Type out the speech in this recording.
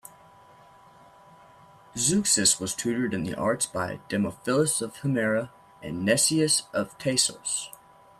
Zeuxis was tutored in the arts by Demophilus of Himera and Neseus of Thasos.